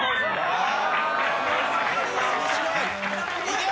いけ。